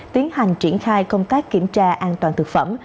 tiến hành triển khai công tác kiểm tra an toàn thực phẩm